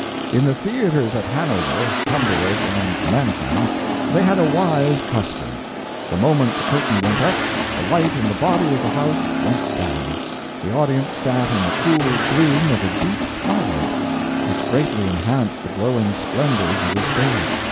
In the theaters at Hanover, Hamburg, and Mannheim, they had a wise custom. The moment the curtain went up, the light in the body of the house went down. The audience sat in the cool gloom of a deep twilight, which greatly enhanced the glowing splendors of the stage.